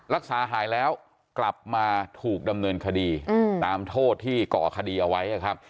รักษาหายแล้วกลับมาถูกดำเนินคดีตามโทษที่ก่อคดีเอาไว้นะครับ